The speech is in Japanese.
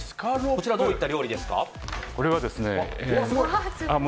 こちらはどういった料理ですか。